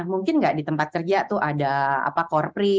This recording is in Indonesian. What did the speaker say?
mungkin nggak di tempat kerja tuh ada korpri